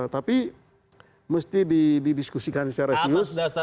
tapi mesti didiskusikan secara serius dari pelaksanaan